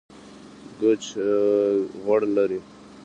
کوچ غوړ لري